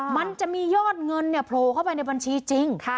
มันจะมียอดเงินโผล่เข้าไปในบัญชีจริง